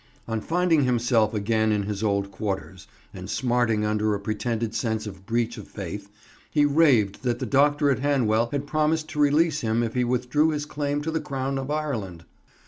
On finding himself again in his old quarters, and smarting under a pretended sense of breach of faith, he raved that the doctor at Hanwell had promised to release him if he withdrew his claim to the crown of Ireland.